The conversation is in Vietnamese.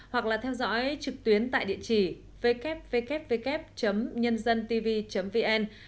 hoặc là theo dõi trực tuyến tại địa chỉ www nhândantv vn